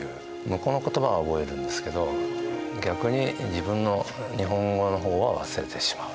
向こうの言葉は覚えるんですけど逆に自分の日本語の方は忘れてしまう。